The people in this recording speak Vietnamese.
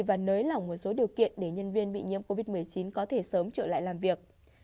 và nới lỏng một số điều kiện để nhân viên bị nhiễm covid một mươi chín có thể sớm trở lại làm việc